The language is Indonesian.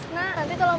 bang mau ngajak gak bang